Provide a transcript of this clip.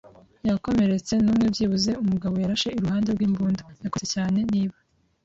yakomeretse, n'umwe byibuze - umugabo yarashe iruhande rw'imbunda - yakomeretse cyane, niba